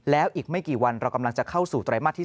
แล้วอีกไม่กี่วันเรากำลังจะเข้าสู่ไตรมาสที่๓